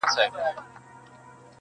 غزل – عبدالباري جهاني-